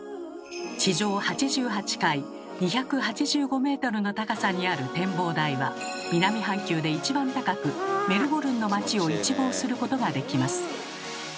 地上８８階２８５メートルの高さにある展望台は南半球で一番高くメルボルンの街を一望することができます。